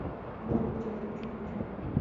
ঘোড়া বা উটে চড়ে এত দীর্ঘ সফর করা সম্ভব নয়।